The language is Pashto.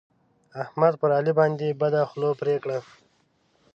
احمد پر علي باندې بده خوله پرې کړه.